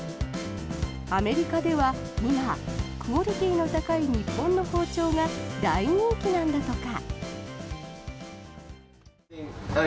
アメリカでは今クオリティーの高い日本の包丁が大人気なんだとか。